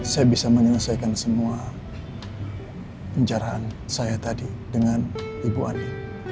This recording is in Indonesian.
saya bisa menyelesaikan semua penjaraan saya tadi dengan ibu adi